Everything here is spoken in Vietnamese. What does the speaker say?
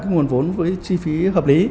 nguồn vốn với chi phí hợp lý